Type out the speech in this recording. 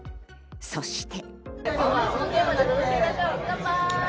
そして。